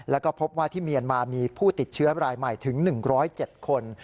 แล้วก็พบว่าที่เมียนมามีผู้ติดเชื้อรายใหม่ถึง๑๐๗คน